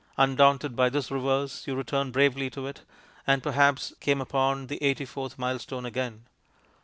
Undaunted by this reverse, you returned bravely to it, and perhaps came upon the eighty fourth milestone again.